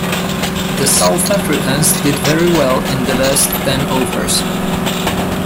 The South Africans did very well in the last ten overs.